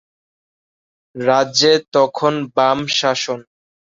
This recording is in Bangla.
রাজ্যে তখন বাম-শাসন।